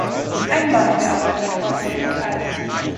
Ein Mann bearbeitet vorsichtig Eis